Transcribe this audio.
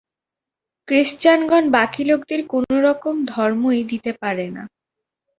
ক্রিশ্চানগণ বাকী লোকদের কোনরকম ধর্মই দিতে পারেন না।